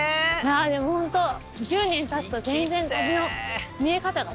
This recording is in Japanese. でもホント１０年たつと全然旅の見え方が違うね。